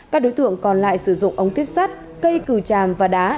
các đối tượng còn lại sử dụng ống tuyếp sắt cây cừu tràm và đá